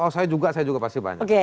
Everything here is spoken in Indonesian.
saya juga pasti banyak